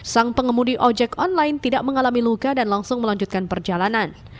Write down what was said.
sang pengemudi ojek online tidak mengalami luka dan langsung melanjutkan perjalanan